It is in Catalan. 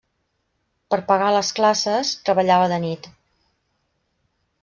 Per pagar les classes treballava de nit.